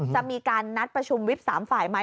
จะมีการนัดประชุมวิบ๓ฝ่ายไหม